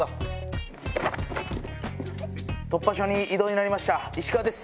突破署に異動になりました石川です。